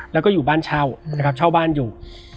แล้วก็อยู่บ้านเช่านะครับเช่าบ้านอยู่